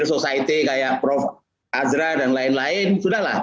ini tiba tiba jadi sensel sensel relaks cds yang ditutupi